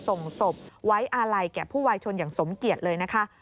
ส่งศพไว้อาลัยแก่ผู้วายชนอย่างสมเกียจเลยนะคะ